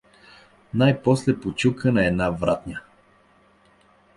Най-после почука на една вратня.